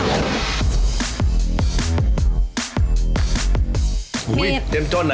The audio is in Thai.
อุ้ยเต็มจ้นนะ